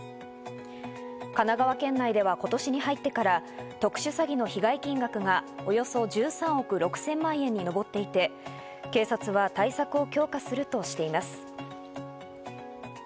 神奈川県内では今年に入ってから、特殊詐欺の被害金額がおよそ１３億６０００万円に上っていて、警察は対策を強化するとしています。